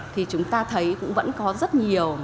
thì chúng ta thấy cũng vẫn có rất nhiều